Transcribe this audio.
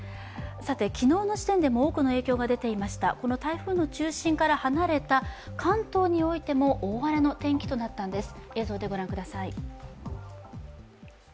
さて昨日の時点でも多くの影響が出ていました、この台風の中心から離れた関東においても大荒れの天気となったんです。